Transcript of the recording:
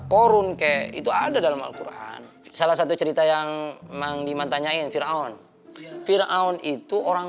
korun ke itu ada dalam alquran salah satu cerita yang mandiman tanyain fir'aun fir'aun itu orang